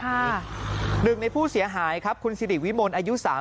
หนึ่งในผู้เสียหายครับคุณสิริวิมลอายุ๓๐